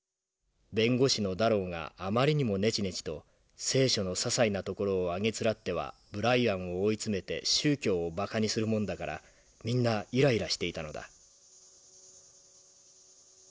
弁護士のダロウがあまりにもねちねちと『聖書』のささいなところをあげつらってはブライアンを追い詰めて宗教をバカにするもんだからみんなイライラしていたのだ」。